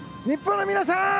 日本の皆さん！